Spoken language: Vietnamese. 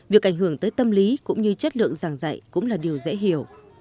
việc ảnh hưởng tới tâm lý cũng như chất lượng giảng dạy cũng là điều dễ hiểu